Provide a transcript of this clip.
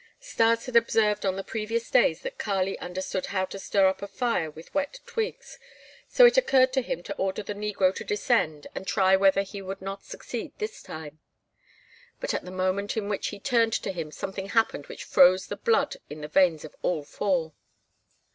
Stas had observed on the previous days that Kali understood how to stir up a fire with wet twigs, so it occurred to him to order the negro to descend and try whether he would not succeed this time. But at the moment in which he turned to him something happened which froze the blood in the veins of all four.